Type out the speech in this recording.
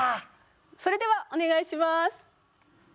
それではお願いします。